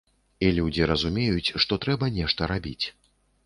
І людзі разумеюць, што трэба нешта рабіць.